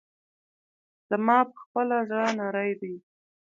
زما پخپله زړه نری دی.